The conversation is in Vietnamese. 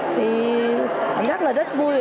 thì cảm giác là rất vui